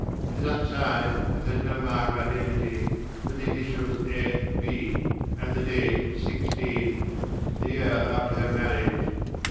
It is unsigned and has no mark of identity but the initials A. B., and the date 16 , the year after her marriage.